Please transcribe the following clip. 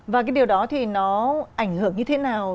và cái điều đó thì nó ảnh hưởng như thế nào